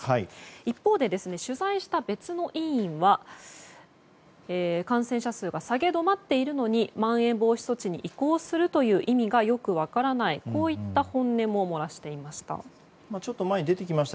一方で取材した別の委員は感染者数が下げ止まっているのにまん延防止措置に移行するという意味がよく分からないといった本音も漏らしていました。